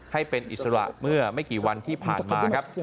ให้เป็นอิสระเมื่อไม่กี่วันที่ผ่านมาครับ